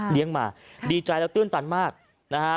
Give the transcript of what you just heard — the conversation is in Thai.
มาดีใจแล้วตื้นตันมากนะฮะ